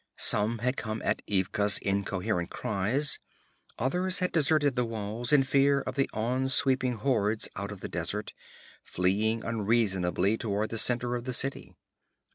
Some had come at Ivga's incoherent cries; others had deserted the walls in fear of the onsweeping hordes out of the desert, fleeing unreasoningly toward the centre of the city.